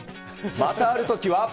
またあるときは。